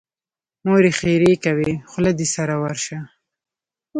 مور یې ښېرې کوي: خوله دې سره ورشه.